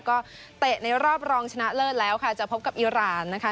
ก็เตะในรอบรองชนะเลิศแล้วค่ะจะพบกับอิราณนะคะ